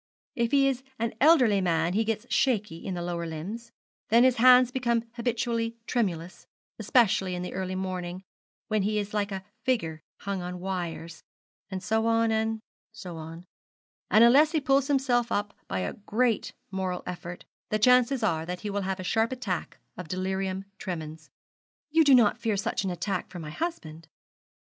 If he is an elderly man he gets shaky in the lower limbs, then his hands become habitually tremulous, especially in the early morning, when he is like a figure hung on wires and so on, and so on; and unless he pulls himself up by a great moral effort, the chances are that he will have a sharp attack of delirium tremens.' 'You do not fear such an attack for my husband?